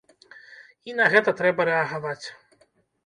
І на гэта трэба рэагаваць.